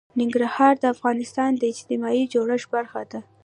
ننګرهار د افغانستان د اجتماعي جوړښت برخه ده.